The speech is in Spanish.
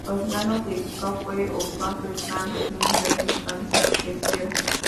Los Llanos de Kafue o "Kafue Flats", tienen cierta importancia pesquera.